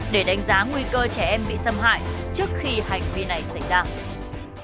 để đánh giá nguy cơ trẻ em bị xâm hại trước khi hành vi này xảy ra